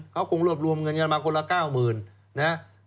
เขาคงรวบรวมเงินมาคนละ๙๐๐๐๐นะ